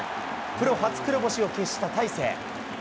プロ初黒星を喫した大勢。